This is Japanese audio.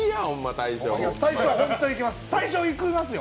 大正行きますよ。